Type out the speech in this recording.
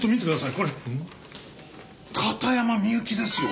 これ片山みゆきですよ！